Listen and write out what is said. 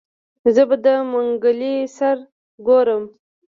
زه به د منګلي سره ګورم.